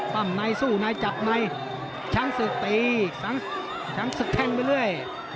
ป้ำนายสู้นายจับนายช้างศึกตีข่าวช้างศึกแทงไปเรื่อย